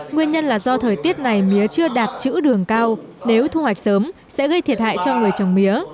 nguyên nhân là do thời tiết này mía chưa đạt chữ đường cao nếu thu hoạch sớm sẽ gây thiệt hại cho người trồng mía